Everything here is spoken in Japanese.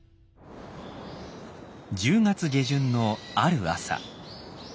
１０月下旬のある朝。